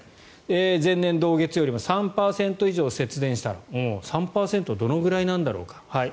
前年同月よりも３％以上節電したら３％、どのぐらいなんだろうか。